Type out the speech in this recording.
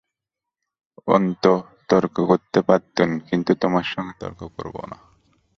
অন্তু, তর্ক করতে পারতুম কিন্তু তোমার সঙ্গে তর্ক করব না।